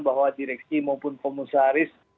bahwa direksi maupun komusaris